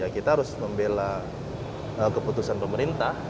kita harus membela keputusan pemerintah